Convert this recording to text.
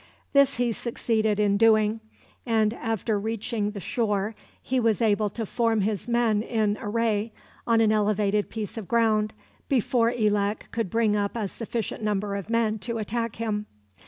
This he succeeded in doing; and, after reaching the shore, he was able to form his men in array, on an elevated piece of ground, before Elak could bring up a sufficient number of men to attack him.